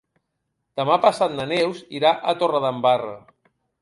Demà passat na Neus irà a Torredembarra.